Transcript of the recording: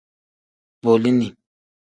Bolini.